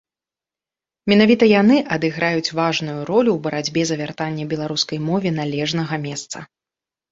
Менавіта яны адыграюць важную ролю ў барацьбе за вяртанне беларускай мове належнага месца.